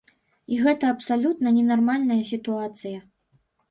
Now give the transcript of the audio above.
І гэта абсалютна ненармальная сітуацыя.